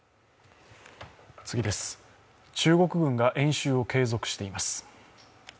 中国軍が演習を継続しています。